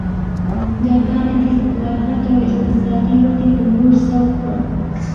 جاپان یې د اصلاحاتو او اقتصادي ودې په لور سوق کړ.